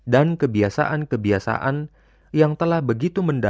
dan kebiasaan kebiasaan yang telah begitu menerima